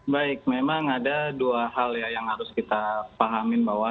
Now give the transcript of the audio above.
baik memang ada dua hal ya yang harus kita pahamin bahwa